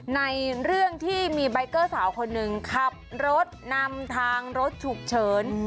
ในเรื่องที่มีใบเกอร์สาวคนหนึ่งขับรถนำทางรถฉุกเฉิน